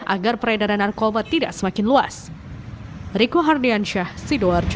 agar peredaran narkoba tidak semakin luas